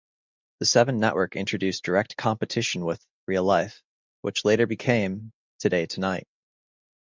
The Seven Network introduced direct competition with "Real Life", which later became "Today Tonight".